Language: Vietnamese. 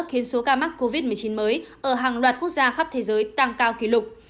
khiến số ca mắc covid một mươi chín mới ở hàng loạt quốc gia khắp thế giới tăng cao kỷ lục